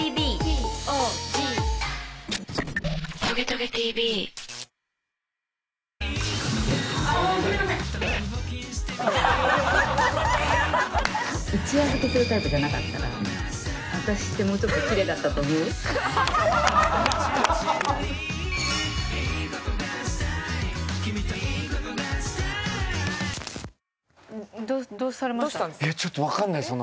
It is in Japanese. いやちょっとわからないです。